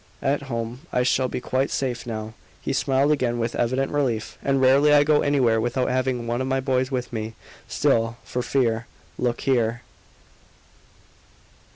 At home I shall be quite safe now." He smiled again, with evident relief. "And rarely I go anywhere without having one of my boys with me. Still, for fear look here."